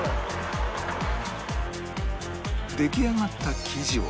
出来上がった生地を